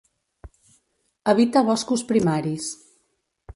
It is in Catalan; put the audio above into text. Habita boscos primaris.